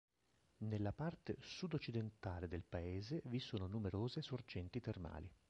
Nella parte sud-occidentale del Paese vi sono numerose sorgenti termali.